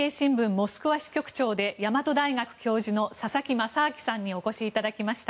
モスクワ支局長で大和大学教授の佐々木正明さんにお越しいただきました。